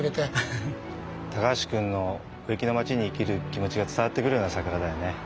高橋くんの植木の町に生きる気持ちが伝わってくるような桜だよね。